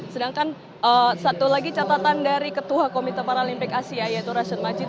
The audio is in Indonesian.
sedangkan satu lagi catatan dari ketua komite paralimpik asia yaitu rashid majid